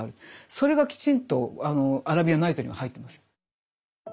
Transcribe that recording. それがきちんと「アラビアン・ナイト」には入ってます。